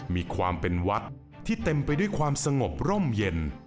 มีความเป็นวัดที่เต็มไปด้วยความสงบร่มเย็น